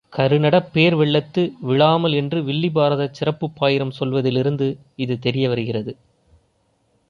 கருநடப்பேர் வெள்ளத்து விழாமல் என்று வில்லிபாரதச் சிறப்புப் பாயிரம் சொல்வதிலிருந்து இது தெரிய வருகிறது.